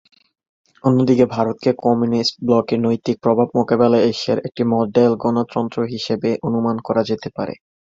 অন্যদিকে, ভারতকে কমিউনিস্ট ব্লকের নৈতিক প্রভাব মোকাবেলায় এশিয়ার একটি মডেল গণতন্ত্র হিসাবে অনুমান করা যেতে পারে।